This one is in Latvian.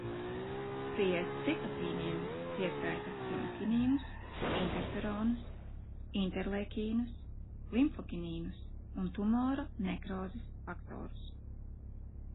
Pie citokīniem pieskaita hemokinīnus, interferonus, interleikīnus, limfokinīnus un tumora nekrozes faktorus.